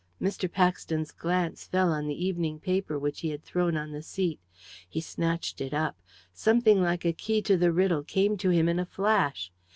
Mr. Paxton's glance fell on the evening paper which he had thrown on the seat. He snatched it up. Something like a key to the riddle came to him in a flash!